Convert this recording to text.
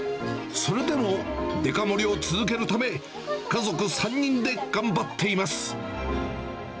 それでも、デカ盛りを続けるため、家族３人で頑張っています。